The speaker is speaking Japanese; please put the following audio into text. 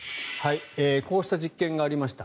こうした実験がありました。